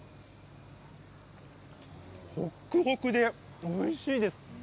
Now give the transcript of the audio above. ほくほくでおいしいです。